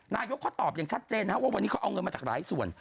นายกเขาตอบอย่างชัดเจนว่าวันนี้เขาเอาเงินมาจากหลายส่วน